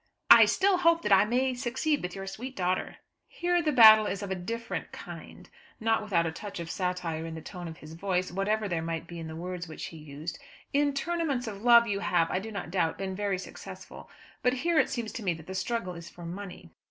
"I still hope that I may succeed with your sweet daughter." "Here the battle is of a different kind," not without a touch of satire in the tone of his voice, whatever there might be in the words which he used. "In tournaments of love, you have, I do not doubt, been very successful; but here, it seems to me that the struggle is for money."